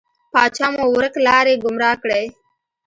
پاچا مو ورک لاری، ګمرا کړی.